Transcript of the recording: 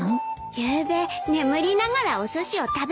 ゆうべ眠りながらおすしを食べたの。